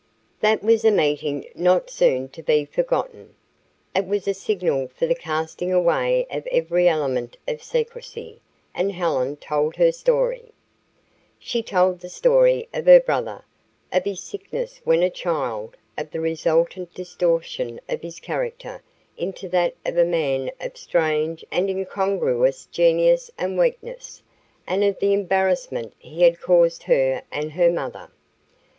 That was a meeting not soon to be forgotten. It was a signal for the casting away of every element of secrecy, and Helen told her story. She told the story of her brother, of his sickness when a child, of the resultant distortion of his character into that of a man of strange and incongruous genius and weakness, and of the embarrassment he had caused her and her mother.